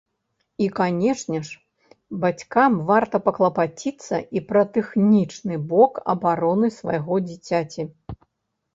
І канешне ж, бацькам варта паклапаціцца і пра тэхнічны бок абароны свайго дзіцяці.